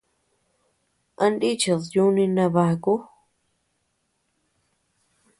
¿A nichid yúni nabaku?